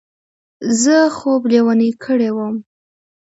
زه خوب لېونی کړی وم.